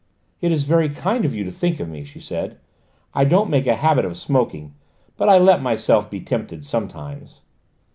"It's very kind of you to think of me," she said. "I don't make a habit of smoking, but I let myself be tempted sometimes."